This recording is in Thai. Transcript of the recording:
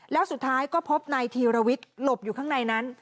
แล้วสุดท้ายก็พบนายธีรวิทย์หลบอยู่ข้างในนั้น